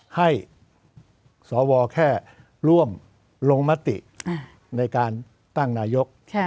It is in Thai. ให้สวแค่ร่วมลงมติในการตั้งนายก